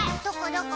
どこ？